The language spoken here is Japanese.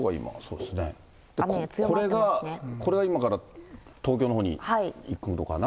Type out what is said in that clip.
これが今から東京のほうに行くのかな。